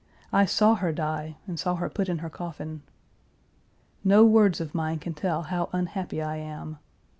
I saw her die and saw her put in her coffin. No words of mine can tell how unhappy I am.